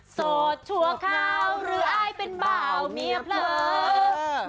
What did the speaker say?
โสดชัวร์ขาวเรืออ้ายเป็นเบาเมียเผลอ